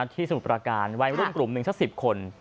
สมุทรประการวัยรุ่นกลุ่มหนึ่งสัก๑๐คน